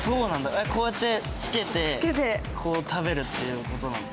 えっこうやってつけてこう食べるっていうことなんだ。